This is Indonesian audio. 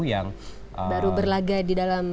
baru berlagak di dalam